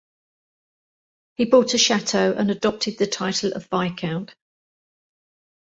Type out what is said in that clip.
He bought a chateau and adopted the title of viscount.